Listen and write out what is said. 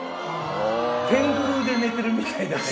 天空で寝てるみたいだね。